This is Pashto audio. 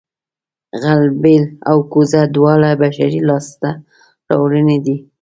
غلبېل او کوزه دواړه بشري لاسته راوړنې دي